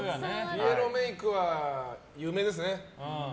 ピエロメイクは有名ですね。